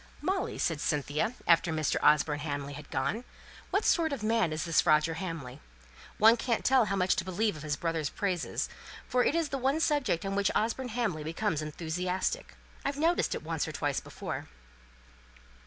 "Molly," said Cynthia, after Mr. Osborne Hamley had gone, "what sort of a man is this Roger Hamley? One can't tell how much to believe of his brother's praises; for it is the one subject on which Osborne Hamley becomes enthusiastic. I've noticed it once or twice before."